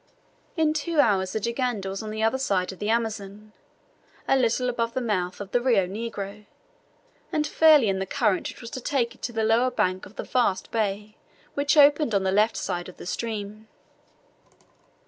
In two hours the jangada was on the other side of the Amazon, a little above the mouth of the Rio Negro, and fairly in the current which was to take it to the lower bank of the vast bay which opened on the left side of the stream.